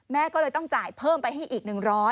แม่ก็เลยต้องจ่ายเพิ่มไปให้อีก๑๐๐